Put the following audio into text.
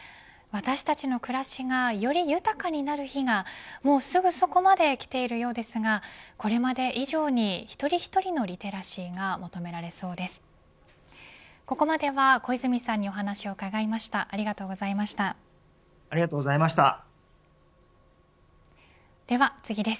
私たちの暮らしがより豊かになる日がもうすぐそこまできているようですがこれまで以上に一人一人のリテラシーが求められそうです。